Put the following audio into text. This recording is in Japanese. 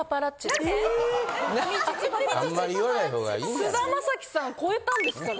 菅田将暉さんを超えたんですから。